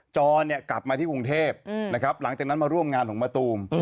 จรกลับมาที่กรุงเทพนะครับหลังจากนั้นมาร่วมงานของมะตูม